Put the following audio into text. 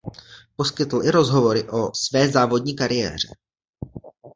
Poskytl i rozhovory o „své závodní kariéře“.